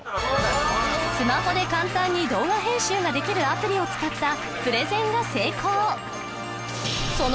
スマホで簡単に動画編集ができるアプリを使ったプレゼンが成功その